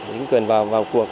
chính quyền vào cuộc